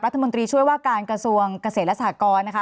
รัฐมนตรีช่วยว่าการกระทรวงเกษตรและสหกรนะคะ